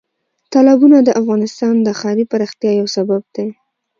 تالابونه د افغانستان د ښاري پراختیا یو سبب دی.